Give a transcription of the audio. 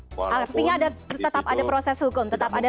artinya tetap ada proses hukum tetap ada sanksi pidana